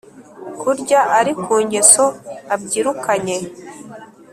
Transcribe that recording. kurya ari ku ngeso abyirukanye